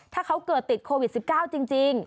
ถ้าเขาเกิดติดโควิด๑๙จริง